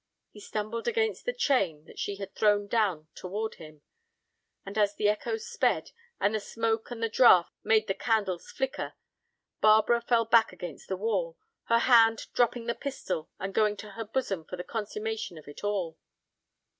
He stumbled against the chain that she had thrown down toward him. And as the echoes sped, and the smoke and the draught made the candles flicker, Barbara fell back against the wall, her hand dropping the pistol and going to her bosom for the consummation of it all.